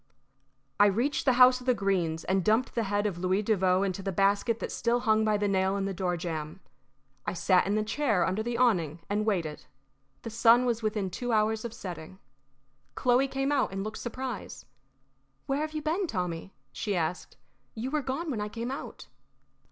I reached the house of the Greenes and dumped the head of Louis Devoe into the basket that still hung by the nail in the door jamb. I sat in a chair under the awning and waited. The sun was within two hours of setting. Chloe came out and looked surprised. "Where have you been, Tommy?" she asked. "You were gone when I came out."